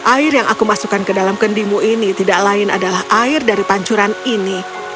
air yang aku masukkan ke dalam kendimu ini tidak lain adalah air dari pancuran ini